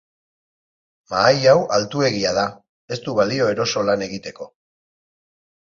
Mahai hau altuegia da, ez du balio eroso lan egiteko.